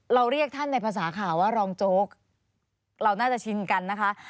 เรียกท่านในภาษาข่าวว่ารองโจ๊กเราน่าจะชินกันนะคะ